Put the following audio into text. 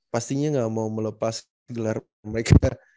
pastinya nggak mau melepas gelar mereka